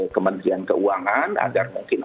kementerian keuangan agar mungkin